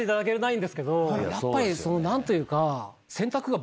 やっぱり何というか。